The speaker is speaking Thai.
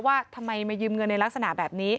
ว่าทำไมมายืมเงินในลักษณะแบบนี้